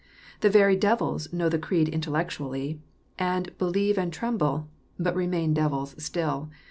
The very devils know the creed intellectually, and ^' believe and tremble," but remain devils still.